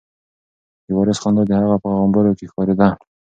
د وارث خندا د هغه په غومبورو کې ښکارېده.